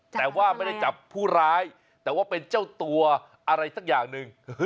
แต่ว่าไม่ได้จับผู้ร้ายแต่ว่าเป็นเจ้าตัวอะไรสักอย่างหนึ่ง